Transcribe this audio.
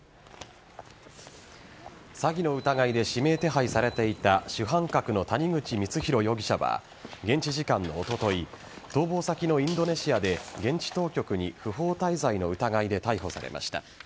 詐欺の疑いで指名手配されていた主犯格の谷口光弘容疑者は現地時間のおととい逃亡先のインドネシアで現地当局に不法滞在の疑いで逮捕されました。